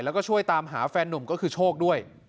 แล้วก็ช่วยตามหาแฟนนุ่มก็คือโชคด้วย